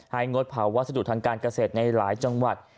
งดเผาวัสดุทางการเกษตรในหลายจังหวัด